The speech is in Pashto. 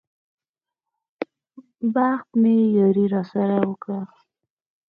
بخت مې ياري راسره وکړه.